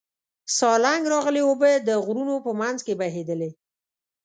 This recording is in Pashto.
سالنګ راغلې اوبه د غرونو په منځ کې بهېدلې.